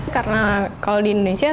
karena kalau di indonesia